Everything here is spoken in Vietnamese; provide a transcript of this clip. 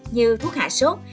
như thuốc hạ sốt